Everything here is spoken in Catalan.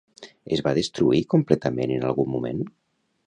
Es va destruir completament en algun moment?